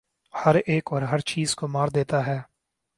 ہر ایک اور ہر چیز کو مار دیتا ہے